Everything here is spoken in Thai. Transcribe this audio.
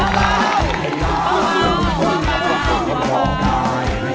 ลับเด้นหน้ากไบดอ่ะ